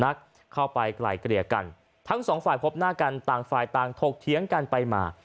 นักเข้าไปไกลเกลี่ยกันทั้งสองฝ่ายพบหน้ากันต่างฝ่ายต่างถกเถียงกันไปมา